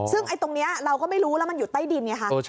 ซึ่งตรงนี้เราก็ไม่รู้แล้วมันอยู่ใต้ดินไงคะ